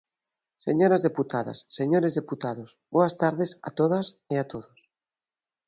Señoras deputadas, señores deputados, boas tardes a todas e a todos.